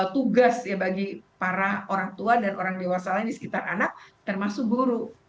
tugas ya bagi para orang tua dan orang dewasa lain di sekitar anak termasuk guru